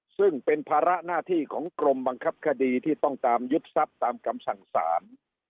ซึ่งเป็นภาระหน้าที่ของกรมบังคับคดีที่ต้องตามยึดทรัพย์ตามคำสั่งสาร